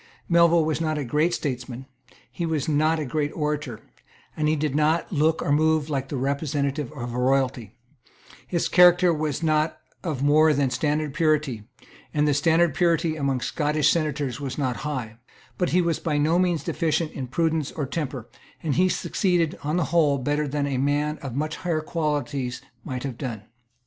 Melville was not a great statesman; he was not a great orator; he did not look or move like the representative of royalty; his character was not of more than standard purity; and the standard of purity among Scottish senators was not high; but he was by no means deficient in prudence or temper; and he succeeded, on the whole, better than a man of much higher qualities might have done.